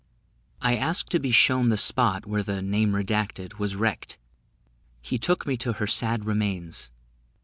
I asked to be shown the spot where the was wrecked; he took me to her sad remains.